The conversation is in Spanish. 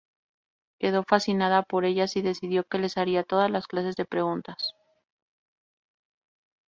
Quedó fascinada por ellas y decidió que les haría todas clase de preguntas.